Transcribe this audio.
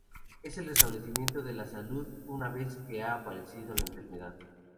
Es el restablecimiento de la salud una vez que ha aparecido la enfermedad.